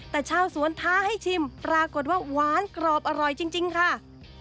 แต่ชาวสวนท้าให้ชิมปรากฏว่าหวานกรอบอร่อยจริงค่ะ